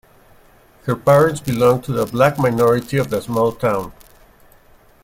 Her parents belonged to the black minority of the small town.